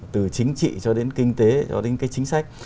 từ chính trị cho đến kinh tế cho đến cái chính sách